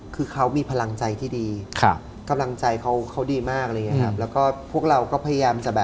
คือเค้ามีพลังใจที่ดีพลังใจเค้าดีมากแล้วก็พวกเราก็พยายามจะ